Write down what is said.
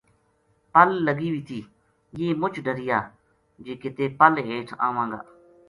پل لگی وی تھی یہ مُچ ڈریا جے کِتے پل ہیٹھ آواں گا۔